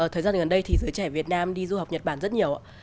thời gian gần đây thì giới trẻ việt nam đi du học nhật bản rất nhiều